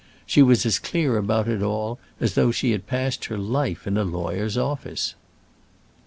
She was as clear about it all as though she had passed her life in a lawyer's office."